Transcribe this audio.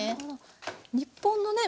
日本のね